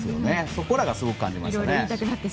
そこらがすごく感じましたね。